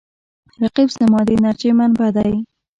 رقیب زما د انرژۍ منبع دی